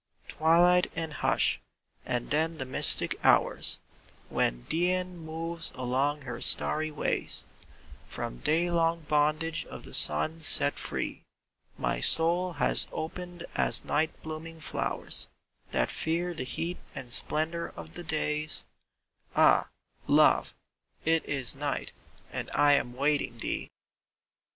Twilight and hush, and then the mystic hours When Dian moves along her starry ways, From day long bondage of the sun set free; My soul has opened as night blooming flowers That fear the heat and splendor of the days —, Ah, Love, 't is night, and I am wait ing thee!